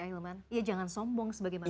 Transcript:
ah ilman ya jangan sombong sebagai manusia